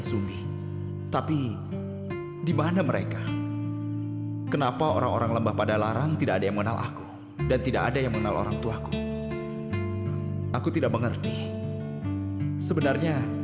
sampai jumpa di video selanjutnya